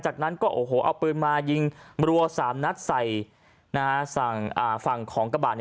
จากนั้นกรับพื้นมายิงรัว๓นัดใส่หลังฝั่งของกระบาด